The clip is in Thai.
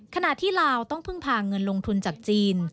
ขณะที่ลาวต้องพึ่งพาเงินลงทุนจากจีน